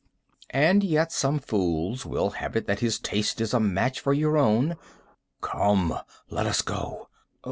"And yet some fools will have it that his taste is a match for your own." "Come, let us go."